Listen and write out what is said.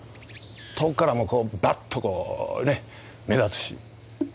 遠くからもバッとこうね目立つし。